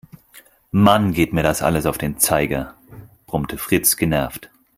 "Mann, geht mir das alles auf den Zeiger", brummte Fritz genervt.